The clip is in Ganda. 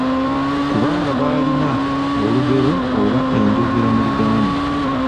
Kubanga baalina olugero oba enjogera mu Luganda.